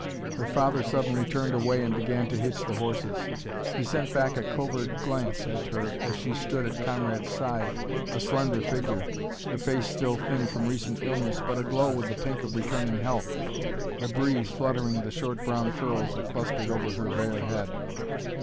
Her father suddenly turned away and began to hitch the horses. He sent back a covert glance at her as she stood at Conrad's side, a slender figure, her face still thin from recent illness but aglow with the pink of returning health, the breeze fluttering the short brown curls that clustered over her bare head.